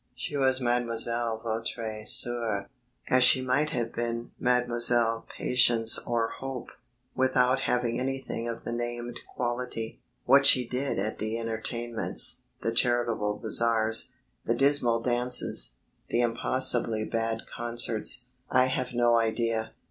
She was "mademoiselle votre soeur," as she might have been Mlle. Patience or Hope, without having anything of the named quality. What she did at the entertainments, the charitable bazaars, the dismal dances, the impossibly bad concerts, I have no idea.